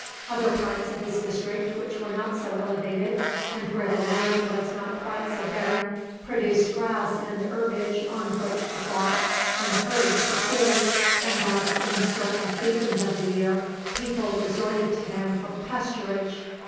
Other parts of this district, which were not so elevated, and where the land was not quite so barren, produced grass and herbage on which the flocks and herds could feed, and thus, in certain seasons of the year, people resorted to them for pasturage.